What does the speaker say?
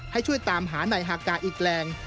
ให้ช่วยตามหานายฮากาอีกแรง